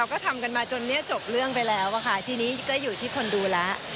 ก็ทำกันมาจนเนี่ยจบเรื่องไปแล้วอะค่ะทีนี้ก็อยู่ที่คนดูแล้ว